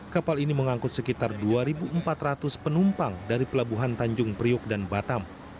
kapal ini mengangkut sekitar dua empat ratus penumpang dari pelabuhan tanjung priok dan batam